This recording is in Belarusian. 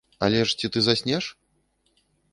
Але ж ці ты заснеш?